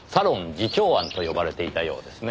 慈朝庵と呼ばれていたようですね。